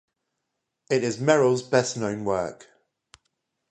It is Merrill's best known work.